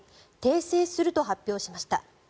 訂正すると発表しました。